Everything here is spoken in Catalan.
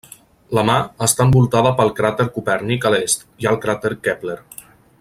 La mar està envoltada pel cràter Copèrnic a l'est, i el cràter Kepler.